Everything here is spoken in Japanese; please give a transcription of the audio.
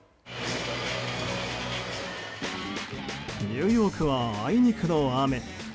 ニューヨークはあいにくの雨。